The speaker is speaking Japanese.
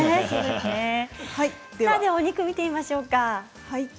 お肉を見てみましょうか。